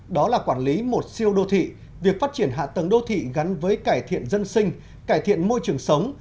đó là quản lý một siêu đô thị việc phát triển hạ tầng đô thị gắn với cải thiện dân sinh cải thiện môi trường sống